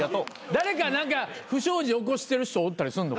誰か何か不祥事起こしてる人おったりすんの？